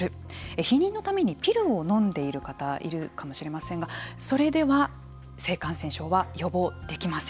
避妊のためにピルを飲んでいる方いるかもしれませんがそれでは性感染症は予防できません。